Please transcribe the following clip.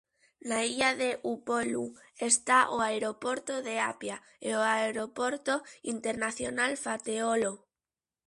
Na illa de Upolu está o aeroporto de Apia e o aeroporto internacional Fateolo.